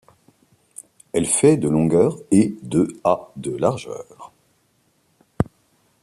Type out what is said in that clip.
Elle fait de longueur et de à de largeur.